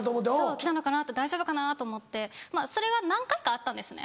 来たのかな大丈夫かなと思ってそれが何回かあったんですね。